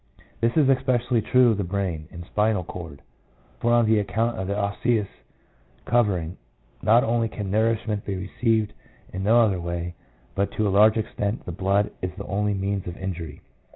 This is especially true of the brain and spinal cord, for on account of the osseous cover ing, not only can nourishment be received in no other way, but to a large extent the blood is the only means of injury.